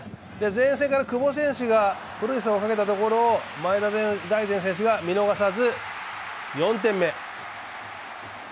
前線から久保選手がプレスをかけたところ前田大然選手が見逃さず４点目。